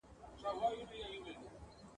بلخ لرغونی ښار ګڼل کېږي.